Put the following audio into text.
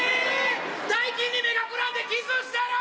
大金に目がくらんでキスしてる！